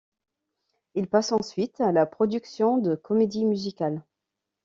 Il passe ensuite à la production de comédies musicales.